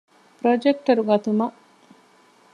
ޕްރޮޖެކްޓަރު ގަތުމަށް